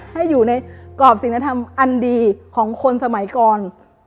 ให้อยู่ในกรอบศิลธรรมอันดีของคนสมัยก่อน